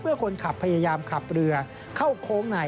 คนขับพยายามขับเรือเข้าโค้งใน